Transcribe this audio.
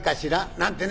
なんてね